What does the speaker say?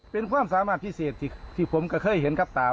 เป็นความสามารถพิเศษที่ผมก็เคยเห็นครับตา